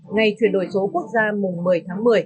ngày chuyển đổi số quốc gia mùng một mươi tháng một mươi